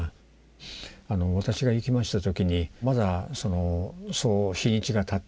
私が行きました時にまだそう日にちがたってなかった。